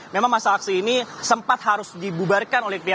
memang masa aksi ini sempat harus dibubarkan oleh pihak kepolisian karena sudah melebih